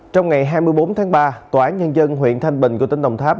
trong ngày hai mươi bốn tháng ba tòa án nhân dân huyện thanh bình của tỉnh đồng tháp